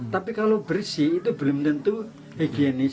tapi kalau bersih itu belum tentu higienis